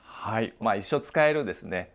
はい一生使えるですね